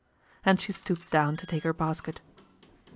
And she stooped down to take her basket.